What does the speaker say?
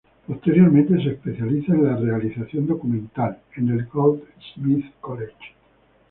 Posteriormente se especializa en Realización Documental en el Goldsmith College.